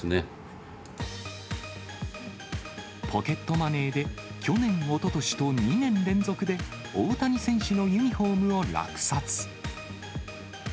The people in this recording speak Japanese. ポケットマネーで、去年、おととしと２年連続で大谷選手のユニホームを落札。